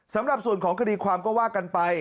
สำหรับส่วนของคดีความก็ว่ากันไป